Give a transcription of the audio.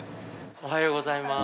おはようございます。